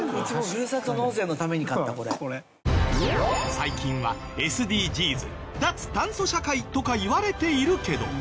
最近は「ＳＤＧｓ」「脱炭素社会」とか言われているけど。